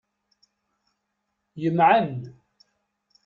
Yemɛen.